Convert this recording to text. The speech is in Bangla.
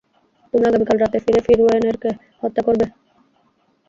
তুমি আগামীকাল রাতে ফিরে ফিওরনেরকে হত্যা করবে?